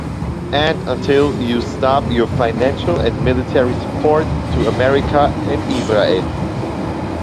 And until you stop your financial and military support to America and Israel.